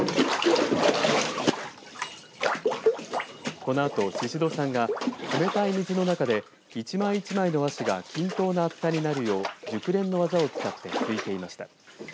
このあと宍戸さんが冷たい水の中で一枚一枚の和紙が均等な厚さになるよう熟練の技を使ってすいていました。